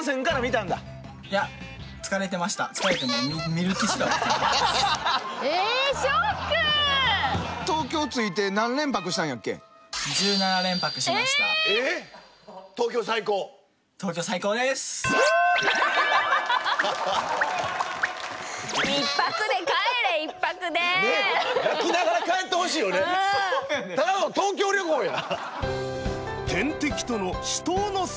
ただの東京旅行やん。